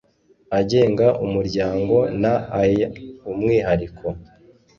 agenga umuryango n ay umwihariko